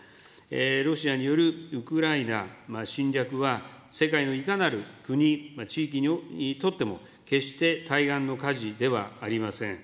ロシアによるウクライナ侵略は、世界のいかなる国、地域にとっても、決して対岸の火事ではありません。